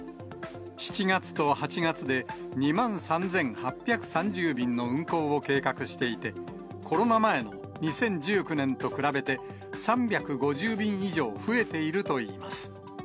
７月と８月で、２万３８３０便の運航を計画していて、コロナ前の２０１９年と比べて、３５０便以上増えているといいます。